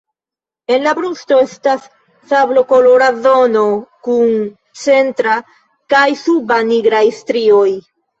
En brusto estas sablokolora zono kun centra kaj suba nigraj strioj.